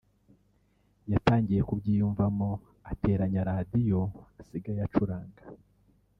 yatangiye kubyiyumvamo ateranya radio asigaye acuranga